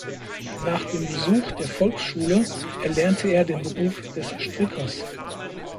Nach dem Besuch der Volksschule erlernte er den Beruf des Strickers.